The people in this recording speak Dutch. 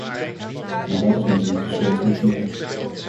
Maar dat is natuurlijk de schuld van de kiezer.